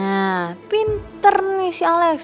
nah pinter nih si alex